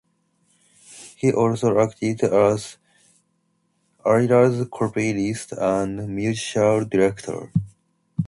He also acted as Ayler's copyist and musical director.